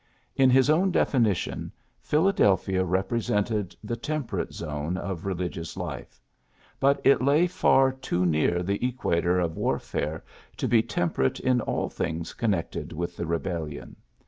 In his own definition, Philadelphia represented the ^^temper ate zone of religious life ''; but it lay far too near the equator of warfare to be temperate in all things connected with the Rebellion.